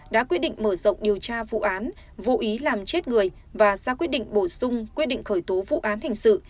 đã quyết định mở rộng điều tra vụ án vô ý làm chết người và ra quyết định bổ sung quyết định khởi tố vụ án hình sự